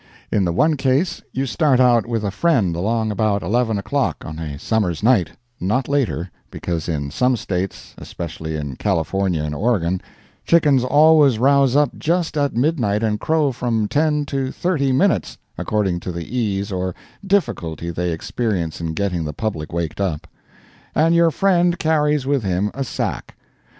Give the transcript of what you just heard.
In the one case you start out with a friend along about eleven o'clock on a summer's night (not later, because in some states especially in California and Oregon chickens always rouse up just at midnight and crow from ten to thirty minutes, according to the ease or difficulty they experience in getting the public waked up), and your friend carries with him a sack.